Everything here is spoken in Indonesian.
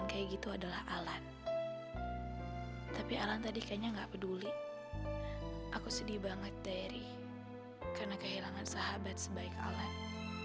karena kehilangan sahabat sebaik allah